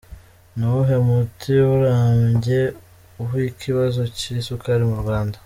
Ni uwuhe muti urambye w’ikibazo cy’isukari mu Rwanda ?.